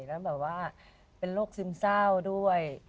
แล้วแบบว่าเป็นโรคซึมเศร้าด้วย